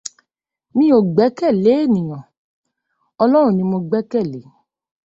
Mi ò gbẹ́kẹ̀lé ènìyàn, Ọlọ́run ni mo gbẹ́kẹ̀lé.